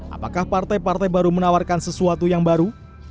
apakah partai partai baru menawarkan sesuatu yang baru